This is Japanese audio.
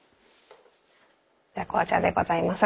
紅茶でございます。